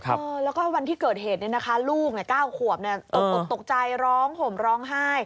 แล้วก็วันที่เกิดเหตุลูกก้าวขวบตกใจร้องห่มร้องไห้